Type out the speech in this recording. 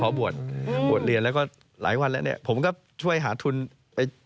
เป็นคนเล็กใช่ไหมครับคนโตอย่างคุณอี้